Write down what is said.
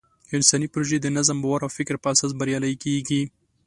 انساني پروژې د نظم، باور او فکر په اساس بریالۍ کېږي.